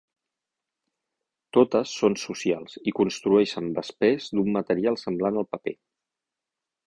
Totes són socials i construeixen vespers d'un material semblant al paper.